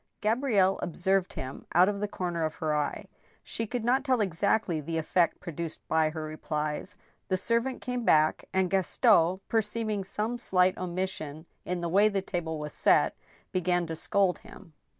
Gabrielle observed him out of the corner of her eye. She could not tell exactly the effect produced by her replies. The servant came back, and Gaston, perceiving some slight omission in the way the table was set, began to scold him.